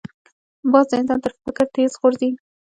باز د انسان تر فکر تېز غورځي